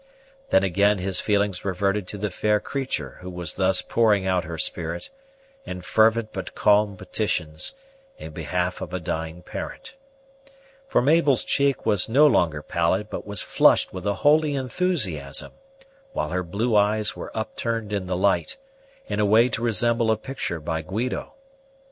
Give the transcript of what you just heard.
Then again his feelings reverted to the fair creature who was thus pouring out her spirit, in fervent but calm petitions, in behalf of a dying parent; for Mabel's cheek was no longer pallid, but was flushed with a holy enthusiasm, while her blue eyes were upturned in the light, in a way to resemble a picture by Guido.